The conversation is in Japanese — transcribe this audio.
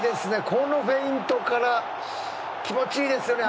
このフェイントから気持ちいいですよね